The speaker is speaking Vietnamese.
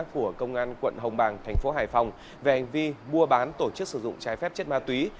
của công an tp hải phòng về hành vi mua bán tổ chức sử dụng trái phép chất ma túy